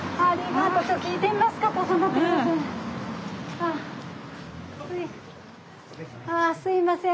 ああすいません